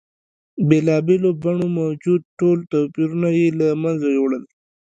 بېلا بېلو بڼو موجود ټول توپیرونه یې له منځه یوړل.